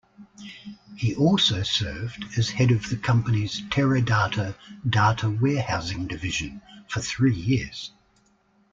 He also served as head of the company's Teradata data-warehousing division for three years.